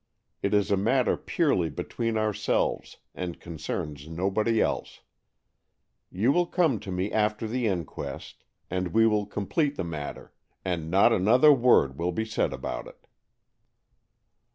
It is a matter purely between ourselves, and concerns nobody else. You will come to me after the inquest, and we will complete the matter, and not another word will be said about it."